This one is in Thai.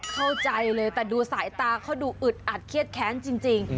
เข้าใจเลยแต่ดูสายตาเขาดูอึดอัดเครียดแค้นจริง